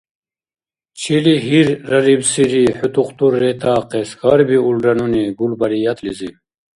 — Чили гьиррарибсири хӀу тухтур ретаахъес? — хьарбиулра нуни Гулбариятлизи.